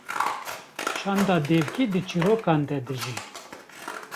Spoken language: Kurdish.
çanda devkî di çîrokan de dije.